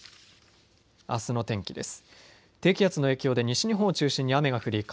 あすの天気です。